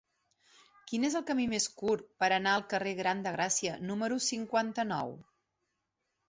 Quin és el camí més curt per anar al carrer Gran de Gràcia número cinquanta-nou?